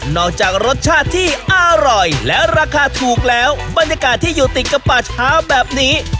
จากรสชาติที่อร่อยและราคาถูกแล้วบรรยากาศที่อยู่ติดกับป่าเช้าแบบนี้